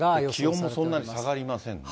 気温もそんなに下がりませんね。